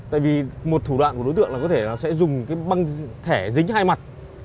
tại vì một thủ đoạn của đối tượng là có thể là sẽ dùng cái băng thẻ dính hai mặt